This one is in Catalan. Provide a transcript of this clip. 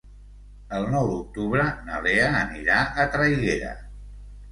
El nou d'octubre na Lea anirà a Traiguera.